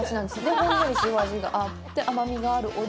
ほんのり塩味があって甘みがあるお肉。